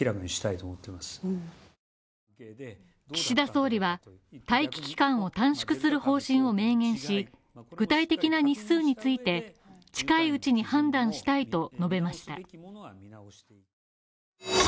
岸田総理は待機期間を短縮する方針を明言し具体的な日数について近いうちに判断したいと述べました。